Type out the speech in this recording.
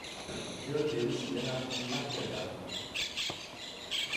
Dewdew isindene ahum lapiya daw.